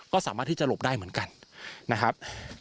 ก็สามารถที่จะหลบได้เหมือนกันนะครับ